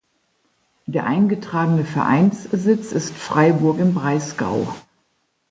Der eingetragene Vereinssitz ist Freiburg im Breisgau.